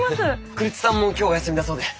栗津さんも今日お休みだそうで。